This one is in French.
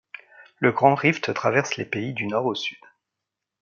Le Grand Rift traverse le pays du nord au sud.